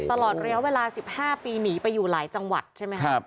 ตลอดระยะเวลา๑๕ปีหนีไปอยู่หลายจังหวัดใช่ไหมครับ